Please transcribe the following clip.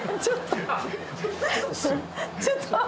ちょっと。